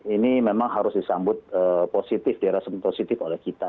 ini memang harus disambut positif dirasa positif oleh kita